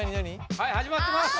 はい始まってますあ